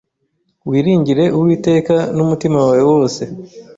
Wiringire Uwiteka n’umutima wawe wose,